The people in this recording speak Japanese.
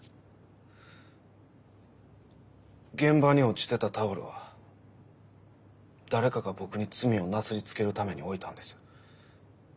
現場に落ちてたタオルは誰かが僕に罪をなすりつけるために置いたんです。